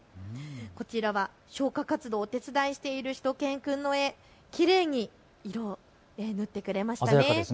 こちらは消火活動をお手伝いしているしゅと犬くんの手、きれいに色を塗ってくれましたね。